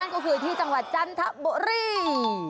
ก็คือที่จังหวัดจันทบุรี